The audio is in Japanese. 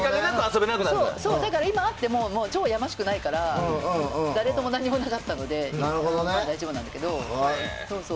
だから、今会ってもやましくないから誰とも何もなかったので大丈夫なんですけど。